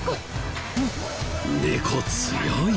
猫強い！